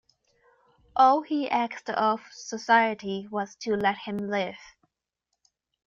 All he asked of society was to let him live.